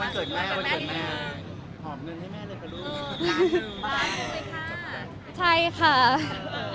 มันเป็นปัญหาจัดการอะไรครับ